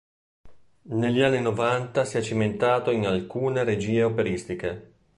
Negli anni novanta si è cimentato in alcune regie operistiche.